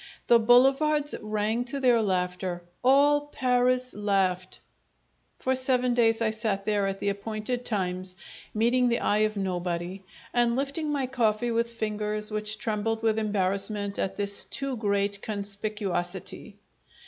The boulevards rang to their laughter all Paris laughed! For seven days I sat there at the appointed times, meeting the eye of nobody, and lifting my coffee with fingers which trembled with embarrassment at this too great conspicuosity!